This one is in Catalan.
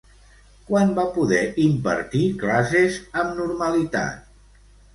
Quan va poder impartir classes amb normalitat?